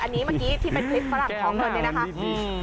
อันนี้เมื่อกี้ที่เป็นคลิปฝรั่งขอเงินเนี่ยนะคะ